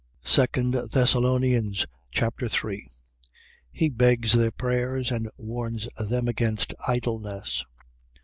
2 Thessalonians Chapter 3 He begs their prayers and warns them against idleness.